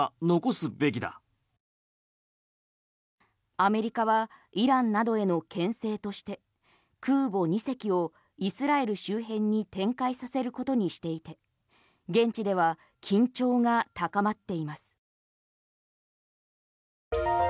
アメリカはイランなどへのけん制として空母２隻をイスラエル周辺に展開させることにしていて現地では緊張が高まっています。